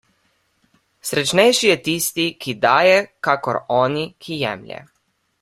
Srečnejši je tisti, ki daje, kakor oni, ki jemlje.